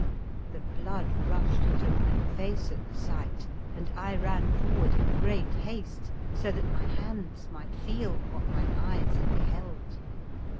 The blood rushed to my face at the sight, and I ran forward in great haste so that my hands might feel what mine eyes had beheld.